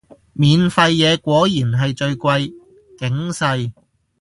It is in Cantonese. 免費嘢果然係最貴，警世